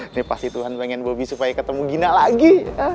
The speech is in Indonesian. ini pasti tuhan pengen bobi supaya ketemu gina lagi